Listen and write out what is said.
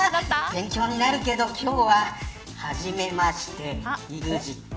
勉強になるけど今日は初めましてＥＸＩＴ。